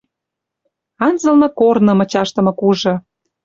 Анзылны корны мычашдымы кужы